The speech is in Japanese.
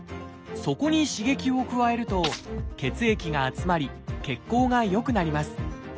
そこに刺激を加えると血液が集まり血行が良くなります。